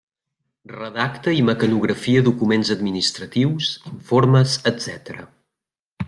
Redacta i mecanografia documents administratius, informes, etcètera.